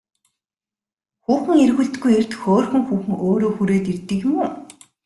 Хүүхэн эргүүлдэггүй эрд хөөрхөн хүүхэн өөрөө хүрээд ирдэг юм уу?